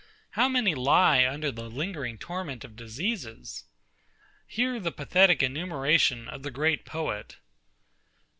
How many lie under the lingering torment of diseases? Hear the pathetic enumeration of the great poet.